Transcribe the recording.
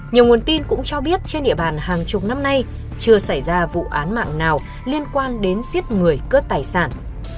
nhiều nguồn tin cũng cho biết trên địa bàn hàng chục năm nay chưa xảy ra vụ án mạng nào liên quan đến giết người cướp tài sản